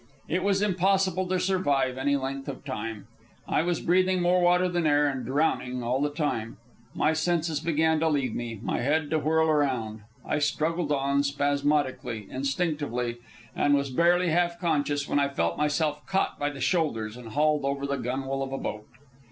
It was impossible to survive any length of time. I was breathing more water than air, and drowning all the time. My senses began to leave me, my head to whirl around. I struggled on, spasmodically, instinctively, and was barely half conscious when I felt myself caught by the shoulders and hauled over the gunwale of a boat.